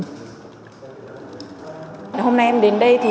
hôm nay em đến đây